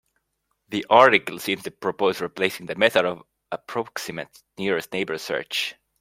The article seems to propose replacing the method of approximate nearest neighbor search.